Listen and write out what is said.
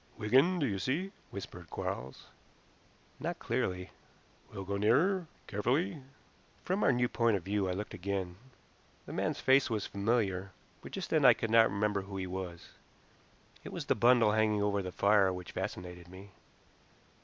"Wigan, do you see?" whispered Quarles. "Not clearly." "We'll go nearer. Carefully." From our new point of view I looked again. The man's face was familiar, but just then I could not remember who he was. It was the bundle hanging over the fire which fascinated me.